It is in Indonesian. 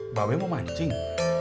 mbak be mau mancing